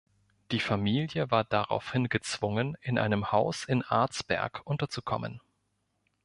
Die Familie war daraufhin gezwungen, in einem Haus in Arzberg unterzukommen.